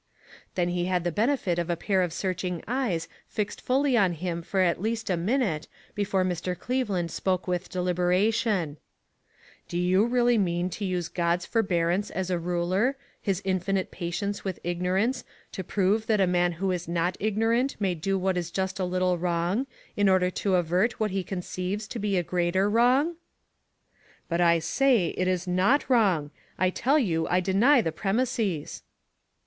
Then he had the benefit of a pair of searching eyes fixed fully on him for at least a minute before Mr. Cleveland spoke with deliberation : "Do you really mean to use God's for bearance as a ruler, his infinite patience with ignorance, to prove that a man who is not ignorant may do what is just a lit tle wrong, in order to avert what he con ceives to be a greater wrong ?"" But I say it is not wrong ; I tell you I deny the premises."